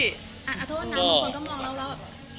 อ่ะอาทูตน้ำทุกคนก็มองเราแล้ว